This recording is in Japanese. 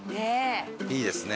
いいですね。